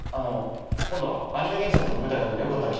今度アニメ原作の舞台やるんでよかったら来てください。